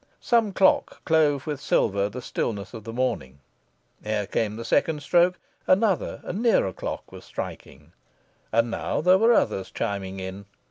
Some clock clove with silver the stillness of the morning. Ere came the second stroke, another and nearer clock was striking. And now there were others chiming in.